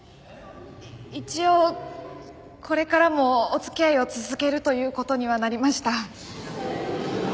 一応これからもお付き合いを続けるという事にはなりました。